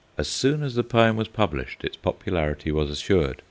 As soon as the poem was published its popularity was assured.